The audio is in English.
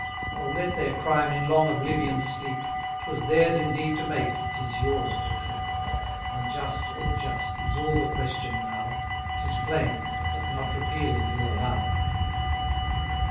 Oh, let their crime in long oblivion sleep! 'Twas theirs indeed to make, 'tis yours to keep. Unjust, or just, is all the question now; 'Tis plain, that not repealing you allow.